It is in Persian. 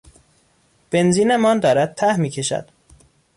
بنزینمان دارد ته میکشد.